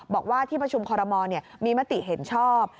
บอกว่าที่ประชุมคอรมอลมีมติเห็นชอบ